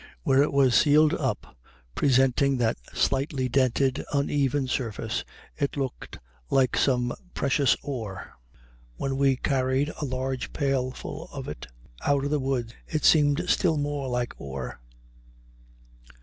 Where it was sealed up, presenting that slightly dented, uneven surface, it looked like some precious ore. When we carried a large pailful of it out of the woods it seemed still more like ore.